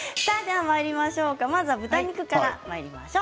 まずは豚肉からまいりましょう。